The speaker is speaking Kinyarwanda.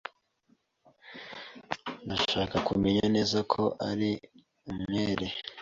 Ndashaka kumenya neza ko ari umwere.